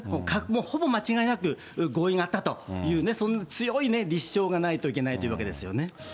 もうほぼ間違いなく合意があったという、強い立証がないといけないというわけですね。